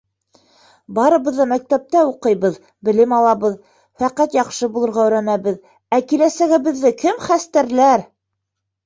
Барыбыҙ ҙа мәктәптә уҡыйбыҙ, белем алабыҙ, фәҡәт яҡшы булырға өйрәнәбеҙ, ә киләсәгебеҙҙе кем хәстәрләр?